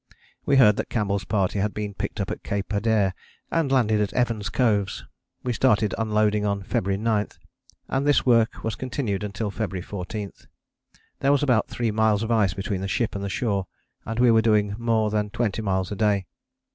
We heard that Campbell's party had been picked up at Cape Adare and landed at Evans Coves. We started unloading on February 9, and this work was continued until February 14: there was about three miles of ice between the ship and the shore and we were doing more than twenty miles a day.